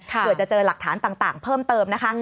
เผื่อจะเจอหลักฐานต่างเพิ่มเติมนะคะ